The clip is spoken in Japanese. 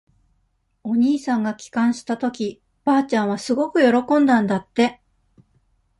お兄さんが帰還したとき、ばあちゃんはすごく喜んだんだって。